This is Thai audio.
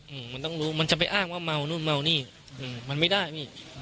อืมมันต้องรู้มันจะไปอ้างว่าเมานู่นเมานี่อืมมันไม่ได้พี่